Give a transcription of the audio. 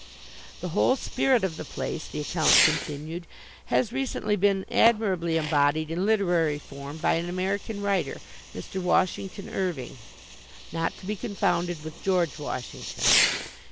"The whole spirit of the place" the account continued "has recently been admirably embodied in literary form by an American writer, Mr. Washington Irving (not to be confounded with George Washington).